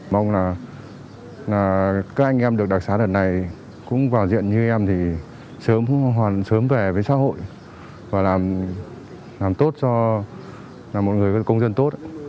mong là các anh em được đặc xá lần này cũng vào diện như em thì sớm hoàn sớm về với xã hội và làm tốt cho là một người với công dân tốt